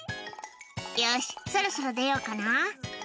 「よしそろそろ出ようかな」